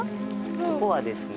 ここはですね